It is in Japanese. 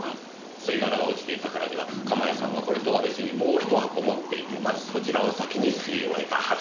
吸い殻が落ちていたからには鎌谷さんはこれとは別にもう一箱持っていてまずそちらを先に吸い終えたはず。